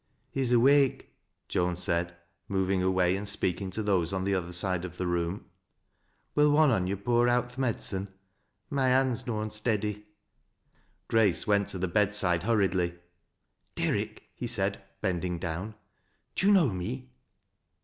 " He's awake," Joan said, moving away and speaking to those on the other side of the room. " Will one on yo' pour out th' medicine? My hand's noan steady." Grace went to the bedside hurriedl3^ '' Derrick," he said, bending down, " do you know me?"